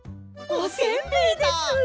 おせんべいです！